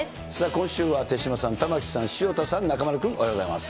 今週は手嶋さん、玉城さん、潮田さん、中丸君、おはようございます。